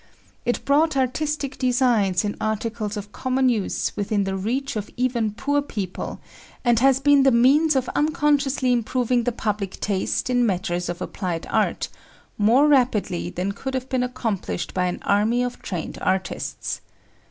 It brought artistic designs in articles of common use within the reach of even poor people, and has been the means of unconsciously improving the public taste, in matters of applied art, more rapidly than could have been accomplished by an army of trained artists.